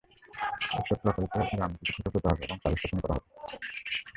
এসব প্রকল্পে গ্রামে কিছু খুঁটি পোঁতা হবে এবং সাবস্টেশন করা হবে।